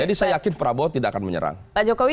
jadi saya yakin prabowo tidak akan menyerang pak jokowi